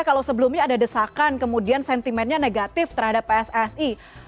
kalau sebelumnya ada desakan kemudian sentimennya negatif terhadap pssi